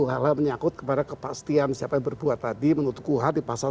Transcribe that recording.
hal hal yang menyakut kepada kepastian siapa yang berbuat tadi menutup kuhap dan sebagainya